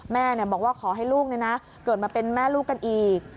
แม่บอกว่าขอให้ลูกเกิดมาเป็นแม่ลูกกันอีก